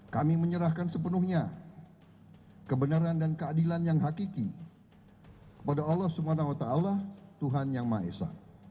kami menyerahkan sepenuhnya kebenaran dan keadilan yang hakiki kepada allah swt tuhan yang maha esa